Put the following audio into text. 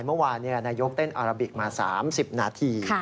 เมื่อวานนายกเต้นอาราบิกมา๓๐นาที